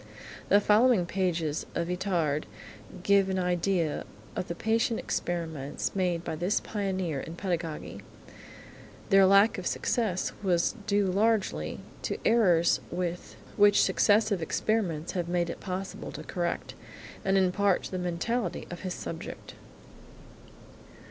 The following pages of Itard give an idea of the patient experiments made by this pioneer in pedagogy. Their lack of success was due largely to errors which successive experiments have made it possible to correct, and in part to the mentality of his subject.